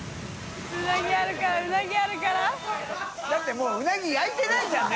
もううなぎ焼いてないじゃんね！